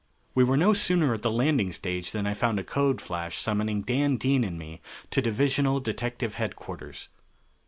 We were no sooner at the landing stage than I found a code flash summoning Dan Dean and me to Divisional Detective Headquarters.